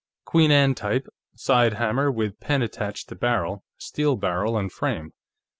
_Queen Anne type, side hammer with pan attached to barrel, steel barrel and frame.